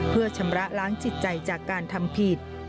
เพื่อชำระล้างจิตใจจากการทำผิด